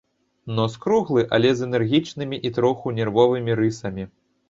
Нос круглы, але з энергічнымі і троху нервовымі рысамі.